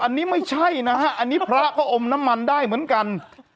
อันนี้ไม่ใช่นะฮะอันนี้พระก็อมน้ำมันได้เหมือนกัน